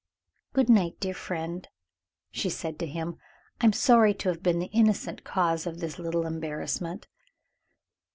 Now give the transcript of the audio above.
"Good night, dear friend," she said to him; "I am sorry to have been the innocent cause of this little embarrassment."